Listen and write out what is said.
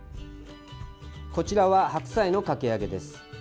こちらは白菜のかき揚げです。